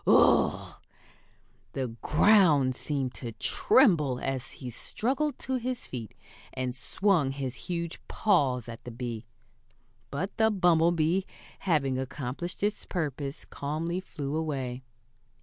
Whoof!" The ground seemed to tremble as he struggled to his feet, and swung his huge paws at the bee. But the bumblebee, having accomplished its purpose, calmly flew away.